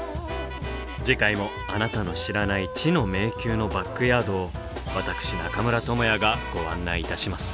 次回もあなたの知らない「知の迷宮」のバックヤードを私中村倫也がご案内いたします。